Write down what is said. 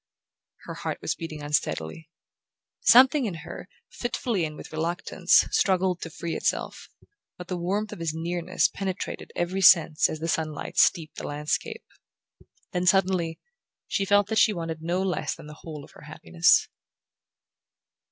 Her heart was beating unsteadily. Something in her, fitfully and with reluctance, struggled to free itself, but the warmth of his nearness penetrated every sense as the sunlight steeped the landscape. Then, suddenly, she felt that she wanted no less than the whole of her happiness.